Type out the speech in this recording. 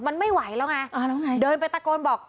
มันไม่ไหวแล้วไงเดินไปตะโกนบอก